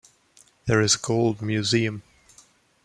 There is a Gold Museum.